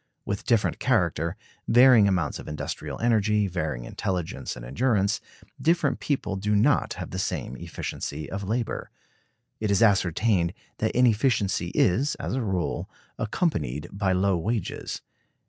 With different character, varying amounts of industrial energy, varying intelligence, and endurance, different people do not have the same efficiency of labor. It is ascertained that inefficiency is, as a rule, accompanied by low wages.